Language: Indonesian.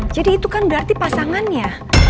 itu kan berarti pasangannya